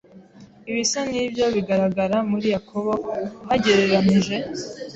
Ibisa n'ibyo bigaragara muri Yakobo uhagereranij